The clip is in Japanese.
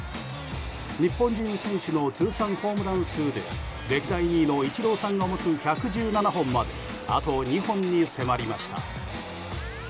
日本人選手の通算ホームラン数で歴代２位のイチローさんが持つ歴代２位の１１７本まであと２本に迫りました。